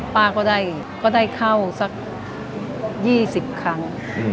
ป้าก็ได้เข้าสัก๒๐ครั้ง